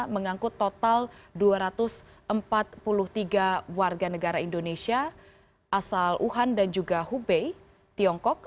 mengangkut total dua ratus empat puluh tiga warga negara indonesia asal wuhan dan juga hubei tiongkok